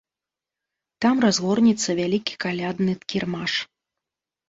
Там разгорнецца вялікі калядны кірмаш.